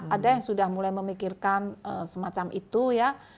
ada yang sudah mulai memikirkan semacam itu ya